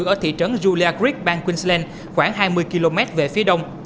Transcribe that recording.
ở thị trấn julia creek bang queensland khoảng hai mươi km về phía đông